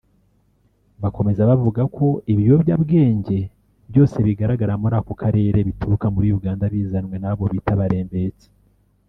Bakomeza bavuga ko ibiyobyabwenge byose bigaragara muri ako karere bituruka muri Uganda bizanwe n’abo bita Abarembetsi